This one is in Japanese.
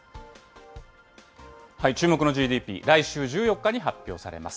注目のＧＤＰ、来週１４日に発表されます。